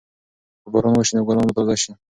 که باران وشي نو ګلان به تازه شي.